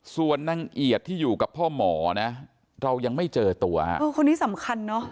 ส่วนนางเอียดที่อยู่กับพ่อหมอนะเรายังไม่เจอตัวคนนี้สำคัญเนอะ